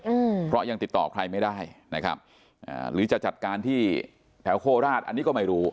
อืมเพราะยังติดต่อใครไม่ได้นะครับอ่าหรือจะจัดการที่แถวโคราชอันนี้ก็ไม่รู้